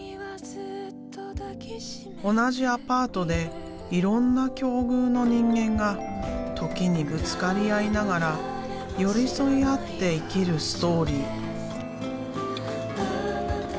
同じアパートでいろんな境遇の人間が時にぶつかり合いながら寄り添い合って生きるストーリー。